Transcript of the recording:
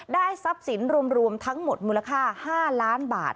ทรัพย์สินรวมทั้งหมดมูลค่า๕ล้านบาท